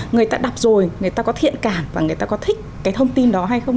người ta đọc rồi người ta có thiện cảm và người ta có thích cái thông tin đó hay không